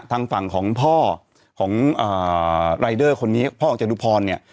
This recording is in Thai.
ทางฝั่งของพ่อของรายเดอร์คนนี้พ่อของจตุพรเนี่ย